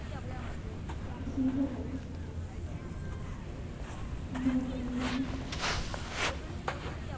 私のほうこそありがとうございました。